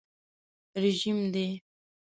رژیم دی.